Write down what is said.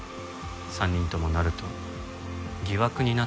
３人ともなると疑惑になってしまいます。